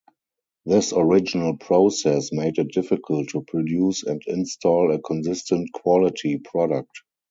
This original process made it difficult to produce and install a consistent, quality product.